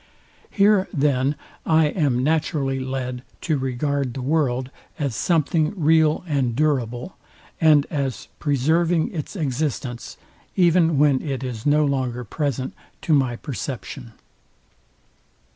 Here then I am naturally led to regard the world, as something real and durable, and as preserving its existence, even when it is no longer present to my perception.